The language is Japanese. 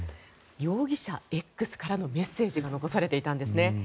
容疑者Ｘからのメッセージが残されていたんですね。